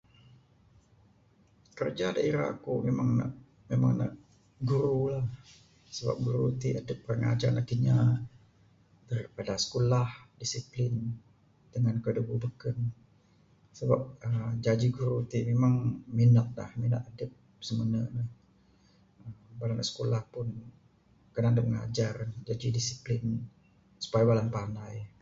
Kerja da ira aku memang ne memang ne guru lah sebab guru ti adep mengajar anak inya daripada sikulah, disiplin dengan kayuh-kayuh da beken sebab aaa jaji guru ti memang minat lah minat adep simene ne. Bala da sikulah pun kanan adep ngajar jaji disiplin supaya bala ne pandai.